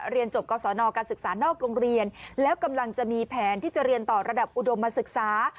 เรียนจบกศนการศึกษานอกโรงเรียนแล้วกำลังจะมีแผนที่จะเรียนต่อระดับอุดมศึกษา